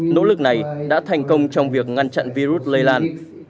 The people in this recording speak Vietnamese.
nỗ lực này đã thành công trong việc ngăn chặn virus lây lan